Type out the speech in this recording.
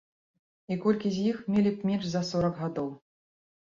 І колькі з іх мелі б менш за сорак гадоў?